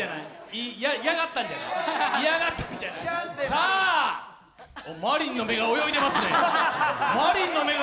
さあ、馬琳の目が泳いでますね。